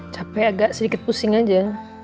capek agak sedikit pusing aja